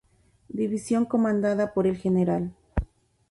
División comandada por el Gral.